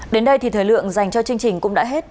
đến đây thì thời lượng dành cho chương trình cũng đã hết